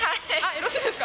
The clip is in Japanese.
よろしいですか？